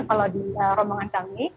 kalau di rombongan kami